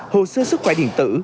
hồ sơ sức khỏe điện tử